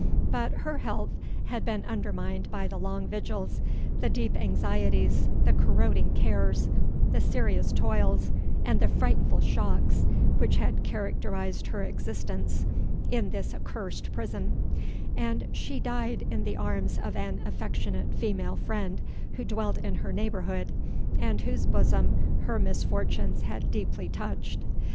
But her health had been undermined by the long vigils—the deep anxieties—the corroding cares—the serious toils—and the frightful shocks, which had characterised her existence in this accursed prison; and she died in the arms of an affectionate female friend, who dwelt in her neighbourhood, and whose bosom her misfortunes had deeply touched.